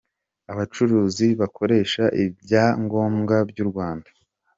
Abacuruzi bakoresha ibya ngombwa by’u Rwanda;